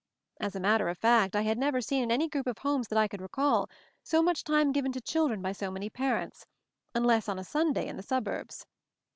As a matter of fact, I had never seen, in any group of homes that I could recall, so much time given to children by so many parents — unless on a Sunday in the suburbs.